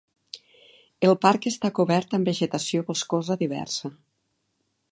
El parc està cobert amb vegetació boscosa diversa.